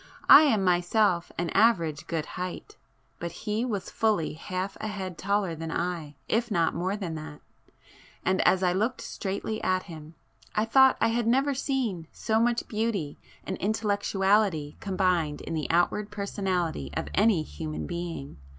I am myself an average good height, but he was fully half a head taller than I, if not more than that,—and as I looked straightly at him, I thought I had never seen so much beauty and intellectuality combined in the outward personality of any human being.